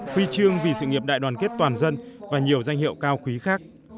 huy chương vì sự nghiệp đại đoàn kết toàn dân và nhiều danh hiệu cao quý khác